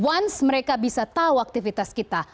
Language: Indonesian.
once mereka bisa tahu aktivitas kita